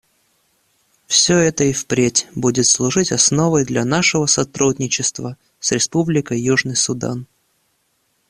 Все это и впредь будет служить основой для нашего сотрудничества с Республикой Южный Судан.